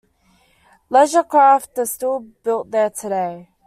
Leisure craft are still built there today.